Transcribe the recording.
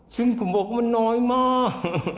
ซึ่งผมบอกว่ามันน้อยมาก